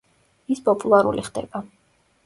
ის პოპულარული ხდება.